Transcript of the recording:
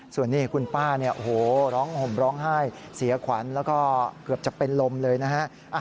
ส่วนนี้คุณป้าเนี่ยโอ้โหร้องห่มร้องไห้เสียขวัญแล้วก็เกือบจะเป็นลมเลยนะฮะ